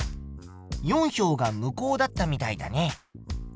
４票が無効だったみたいだね。